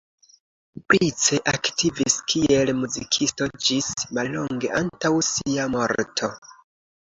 Price aktivis kiel muzikisto ĝis mallonge antaŭ sia morto.